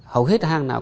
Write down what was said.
hầu hết hang nào